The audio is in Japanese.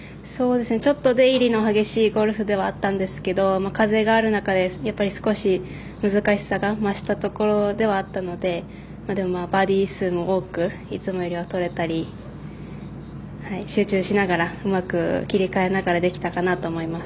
ちょっと出入りの激しいゴルフではあったんですけど風がある中で、少し難しさが増したところではあったのででも、バーディー数も多くいつもよりはとれたり集中しながらうまく切り替えながらできたかなと思います。